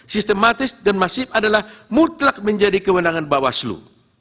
sistematis dan masif adalah mutlak menjadi kewenangan bawaslu